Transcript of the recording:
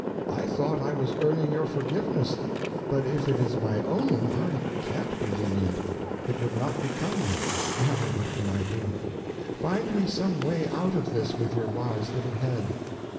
I thought I was earning your forgiveness, but if it is my own, I can't be lenient; it would not become me. Now what can I do? Find me some way out of this with your wise little head."